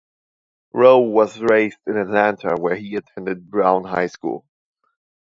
Roe was raised in Atlanta where he attended Brown High School.